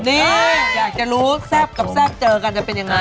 นี่อยากจะรู้แซ่บกับแซ่บเจอกันจะเป็นยังไง